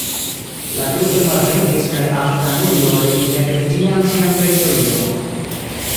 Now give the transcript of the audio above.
La britoj malvenkis kaj Afganujo regis ekde tiam sian teritorion.